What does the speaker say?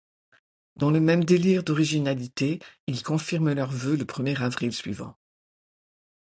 Dans le même délire d'originalité, ils confirment leurs vœux le premier avril suivant.